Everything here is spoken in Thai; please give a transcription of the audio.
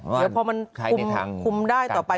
เดี๋ยวพอมันคุมได้ต่อไป